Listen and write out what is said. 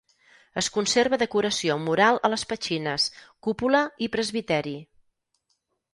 Es conserva decoració mural a les petxines, cúpula i presbiteri.